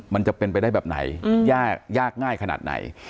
มันจะเป็นไปได้แบบไหนยากง่ายขนาดไหน